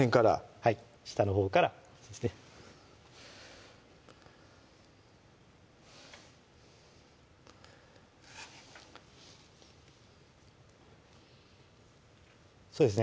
はい下のほうからそうですねそうですね